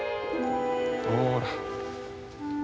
ほら。